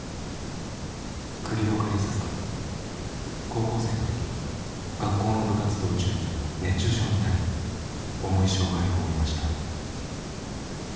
高校生の時学校の部活動中に熱中症になり重い障害を負いました。